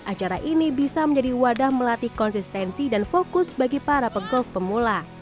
acara ini bisa menjadi wadah melatih konsistensi dan fokus bagi para pegolf pemula